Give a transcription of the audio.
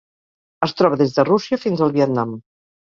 Es troba des de Rússia fins al Vietnam.